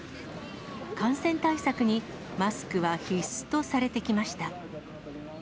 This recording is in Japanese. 感染対策に、マスクは必須とされてきました。